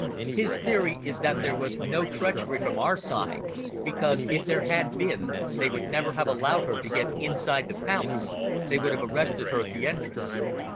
His theory is that there was no treachery from our side, because if there had been they would never have allowed her to get inside the Palace, they would have arrested her at the entrance."